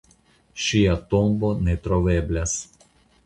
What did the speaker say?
Ŝia tombo ne troveblas.